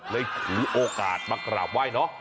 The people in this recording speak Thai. ถือโอกาสมากราบไหว้เนาะ